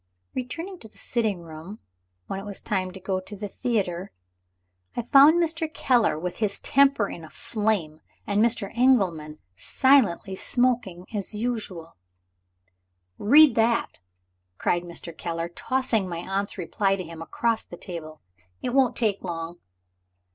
Returning to the sitting room, when it was time to go to the theater, I found Mr. Keller with his temper in a flame, and Mr. Engelman silently smoking as usual. "Read that!" cried Mr. Keller, tossing my aunt's reply to him across the table. "It won't take long."